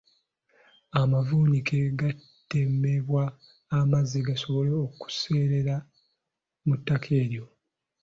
Amavuunike gatemebwa amazzi gasobole okusensera mu ttaka eryo.